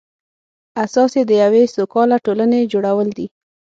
اساس یې د یوې سوکاله ټولنې جوړول دي.